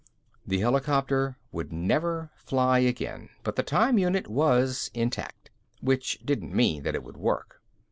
VI The helicopter would never fly again, but the time unit was intact. Which didn't mean that it would work.